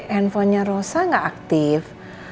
handphonenya rosa gak aktif